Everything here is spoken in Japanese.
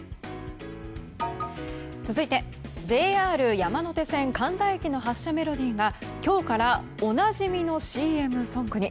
続いて、ＪＲ山手線神田駅の発車メロディーが今日からおなじみのＣＭソングに。